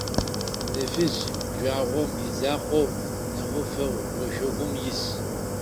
Нэфышъ жъуагъом изакъоу, нэгъыфэу ошъогум ис.